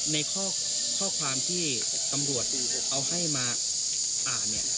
ในข้อความที่ตำรวจเอาให้มาอ่านเนี่ย